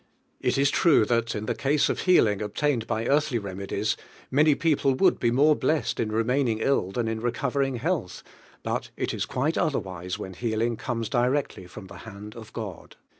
It is true that in the case of healing obtained by earthly remedies, ninny people would be more blest in remaining ill than in re covering health, but it is quite otherwlsu when healing comes directly from tie hand 'if Ood.